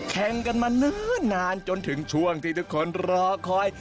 แข่งกันมานานจนถึงช่วงที่ทุกคนรอคอย